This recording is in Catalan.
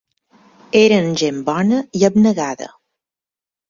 Eren gent bona i abnegada.